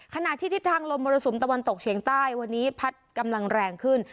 ขณะที่ทิศทางลมมรสุมตะวันตกเฉียงใต้วันนี้พัดกำลังแรงขึ้น